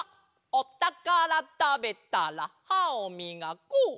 「おたからたべたらはをみがこう！」。